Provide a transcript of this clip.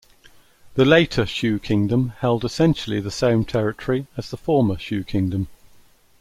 The Later Shu kingdom held essentially the same territory as the Former Shu kingdom.